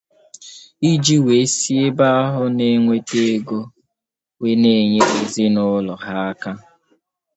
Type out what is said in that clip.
iji wee si ebe ahụ na-enweta ego wee na-enyere ezinụlọ ha aka